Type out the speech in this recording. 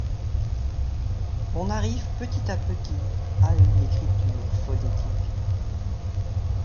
On arrive petit à petit à une écriture phonétique.